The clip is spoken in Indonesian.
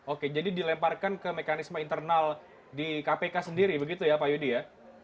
oke jadi dilemparkan ke mekanisme internal di kpk sendiri begitu ya pak yudi ya